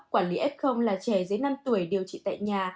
quản lý f là trẻ dưới năm tuổi điều trị tại nhà